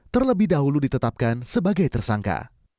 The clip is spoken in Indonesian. terlebih dahulu ditetapkan sebagai tersangka